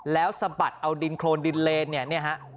แล้วสะบัดเอาดินโครนดินเลนเนี่ยเนี่ยฮะ